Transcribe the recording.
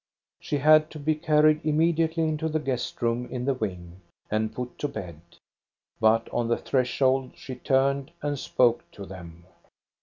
She had to be carried immediately into the guest room in the wing, and put to bed. But on the threshold she turned and spoke to them.